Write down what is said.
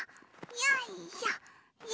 よいしょ。